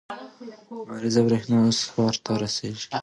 لمریزه برېښنا اوس ښار ته رسیږي.